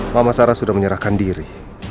mama sarah sudah menyerahkan diri